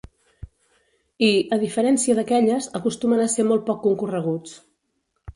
I, a diferència d'aquelles, acostumen a ser molt poc concorreguts.